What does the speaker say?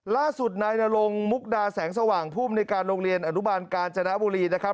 ล่าสุดนายนรงมุกดาแสงสว่างภูมิในการโรงเรียนอนุบาลกาญจนบุรีนะครับ